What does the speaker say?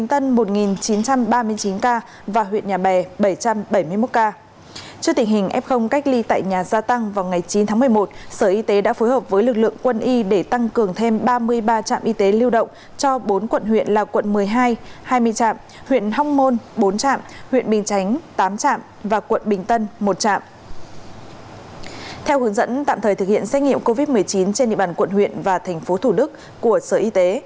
theo hướng dẫn tạm thời thực hiện xét nghiệm covid một mươi chín trên địa bàn quận huyện và thành phố thủ đức của sở y tế